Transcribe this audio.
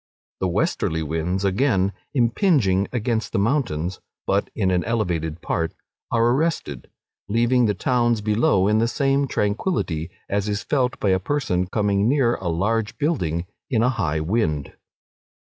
The westerly winds, again, impinging against the mountains, (but in an elevated part,) are arrested, leaving the towns below in the same tranquillity as is felt by a person coming near a large building in a high wind.